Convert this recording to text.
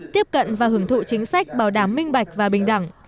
tiếp cận và hưởng thụ chính sách bảo đảm minh bạch và bình đẳng